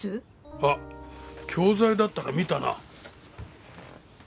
あっ教材だったら見たな。